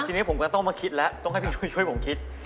ทีนี้ผมก็ต้องมาคิดแล้วต้องให้พี่ช่วยผมคิด